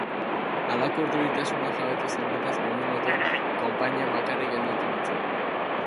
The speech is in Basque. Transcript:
Halako urduritasuna jabetu zen nitaz Yumimoto konpainian bakarrik gelditu nintzenean.